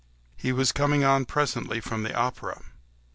He was coming on presently from the opera.